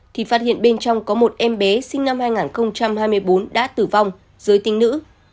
thì phát hiện bên trong có một em bé sinh năm hai nghìn hai mươi bốn đã tử vong dưới tinh nữ